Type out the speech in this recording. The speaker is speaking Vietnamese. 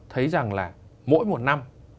thấy rằng là mỗi một năm